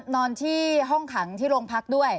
นอนที่ห้องขังที่โรงพักด้วย